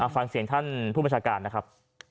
ฟังเสียงท่านผู้บัญชาการนะครับ